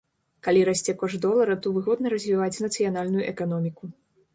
Калі расце кошт долара, то выгодна развіваць нацыянальную эканоміку.